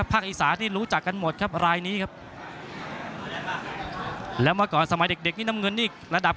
ภักดิ์อีสานี่รู้จักกันหมดครับรายนี้ครับ